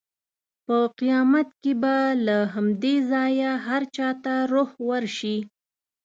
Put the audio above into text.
په قیامت کې به له همدې ځایه هر چا ته روح ورشي.